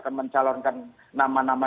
akan mencalonkan nama nama